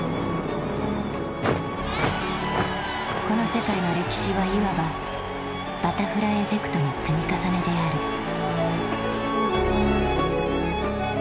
この世界の歴史はいわば「バタフライエフェクト」の積み重ねである。